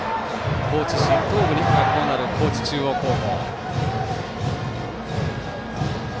高知市東部に学校のある高知中央高校。